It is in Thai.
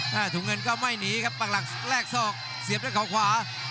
ถุงเงินก็ไม่หนีครับปากหลักแลกศอกเสียบด้วยเขาขวา